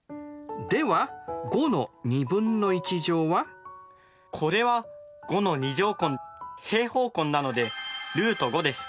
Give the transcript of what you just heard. ではこれは５の２乗根平方根なのでルート５です。